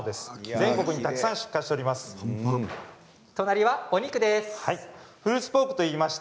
全国にたくさん出荷しています。